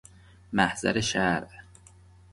محضر شرع